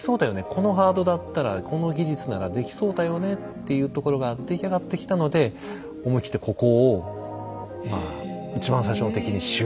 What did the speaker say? このハードだったらこの技術ならできそうだよねっていうところが出来上がってきたので思い切ってここをまあ一番最初の敵にしようと。